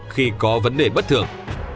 khi có vấn đề bất thường